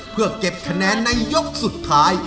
เพื่อเก็บคะแนนในยกสุดท้าย